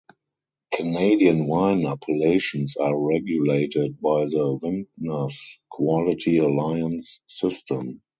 Canadian wine appellations are regulated by the Vintners Quality Alliance system.